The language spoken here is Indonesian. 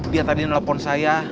dia tadi nelfon saya